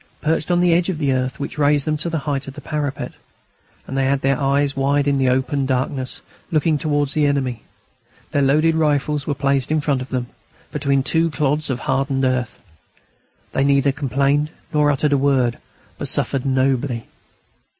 Perched on the ledge of earth which raised them to the height of the parapet, they had their eyes wide open in the darkness, looking towards the enemy. Their loaded rifles were placed in front of them, between two clods of hardened earth. They neither complained nor uttered a word, but suffered nobly.